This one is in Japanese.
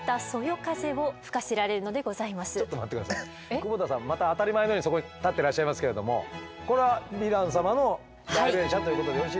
久保田さんまた当たり前のようにそこに立ってらっしゃいますけれどもこれはヴィラン様の代弁者ということでよろしいですか？